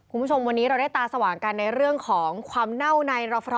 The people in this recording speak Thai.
คุณผู้ชมวันนี้เราได้ตาสว่างกันในเรื่องของความเน่าในรอฟท